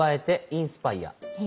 インスパイア。